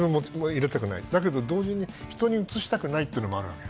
だけど同時に、人にうつしたくないというのもある。